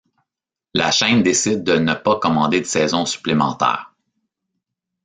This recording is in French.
La chaine décide de ne pas commander de saison supplémentaire.